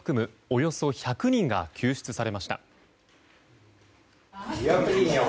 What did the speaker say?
およそ１００人が救出されました。